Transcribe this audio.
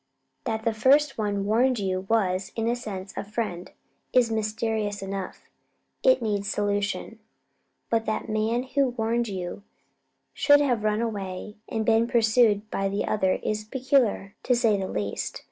That the first one warned you and was, in a sense, a friend, is mysterious enough it needs solution; but that the man who warned you should have run away and been pursued by the other is peculiar, to say the least.